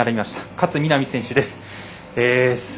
勝みなみ選手です。